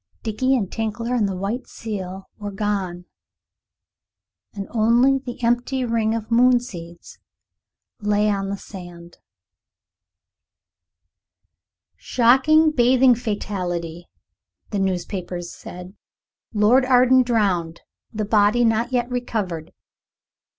Dickie and Tinkler and the white seal were gone, and only the empty ring of moon seeds lay on the sand. "Shocking bathing fatality," the newspapers said. "Lord Arden drowned. The body not yet recovered."